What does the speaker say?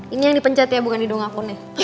ini yang dipencet ya bukan di dongakunnya